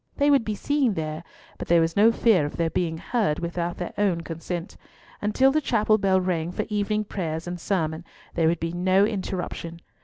They would be seen there, but there was no fear of their being heard without their own consent, and till the chapel bell rang for evening prayers and sermon there would be no interruption.